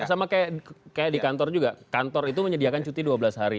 sama kayak di kantor juga kantor itu menyediakan cuti dua belas hari